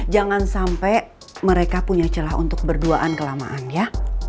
jangan sampai mereka punya celah untuk berduaan kelamaan ya